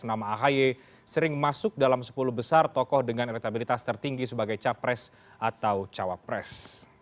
nama ahy sering masuk dalam sepuluh besar tokoh dengan elektabilitas tertinggi sebagai capres atau cawapres